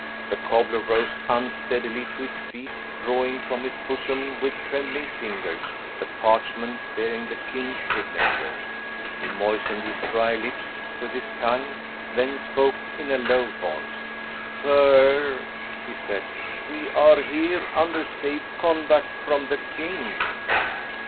The cobbler rose unsteadily to his feet, drawing from his bosom with trembling fingers the parchment bearing the king's signature. He moistened his dry lips with his tongue, then spoke in a low voice. "Sir," he said, "we are here under safe conduct from the king."